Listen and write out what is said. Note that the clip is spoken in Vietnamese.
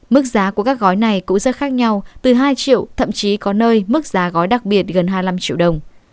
mức giá của các gói này cũng rất khác nhau từ hai triệu thậm chí có nơi mức giá gói đặc biệt gần hai mươi năm triệu đồng